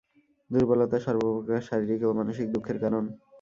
দুর্বলতা সর্বপ্রকার শারীরিক ও মানসিক দুঃখের কারণ।